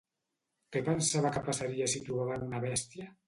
Què pensava que passaria si trobaven una bèstia?